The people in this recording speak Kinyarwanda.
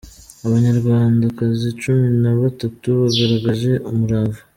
Abanyarwandakazi cumi na batatu bagaragaje umurava